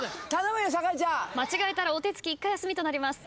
間違えたらお手つき１回休みとなります。